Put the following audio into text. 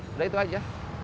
sudah itu saja